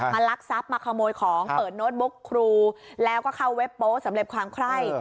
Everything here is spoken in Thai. ลักทรัพย์มาขโมยของเปิดโน้ตบุ๊กครูแล้วก็เข้าเว็บโป๊สำเร็จความไคร่